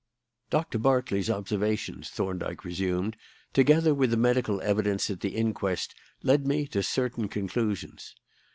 "Doctor Berkeley's observations," Thorndyke resumed, "together with the medical evidence at the inquest, led me to certain conclusions.